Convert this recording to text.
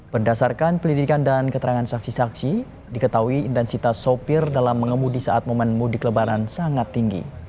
berdasarkan pelidikan dan keterangan saksi saksi diketahui intensitas sopir dalam mengemudi saat momen mudik lebaran sangat tinggi